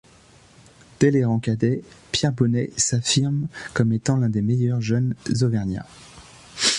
Dès les rangs cadets, Pierre Bonnet s'affirme comme étant l'un des meilleurs jeunes auvergnats.